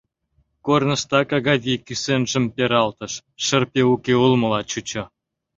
Корныштак Агавий кӱсенжым пералтыш — шырпе уке улмыла чучо.